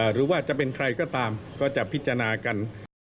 หรือว่าจะเป็นใครก็ตามก็จะพิจารณากัน